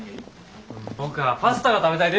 僕はパスタが食べたいです。